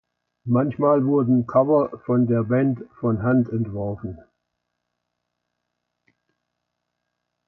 Manchmal wurden Cover von der Band von Hand entworfen.